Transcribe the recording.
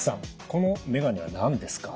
この眼鏡は何ですか？